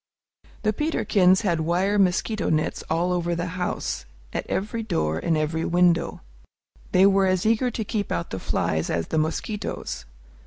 The Peterkins had wire mosquito nets all over the house, at every door and every window. They were as eager to keep out the flies as the mosquitoes.